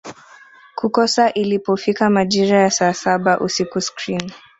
kukosa ilipofika majira ya saa saba usiku screen